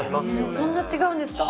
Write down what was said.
そんな違うんですか。